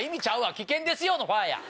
危険ですよ！のファー！や。